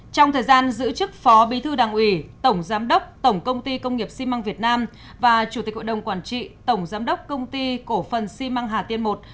trong thời gian giữ chức phó bí thư đảng ủy tổng giám đốc tổng công ty công nghiệp xi măng việt nam và chủ tịch hội đồng quản trị tổng giám đốc công ty cổ phần xi măng hà tiên i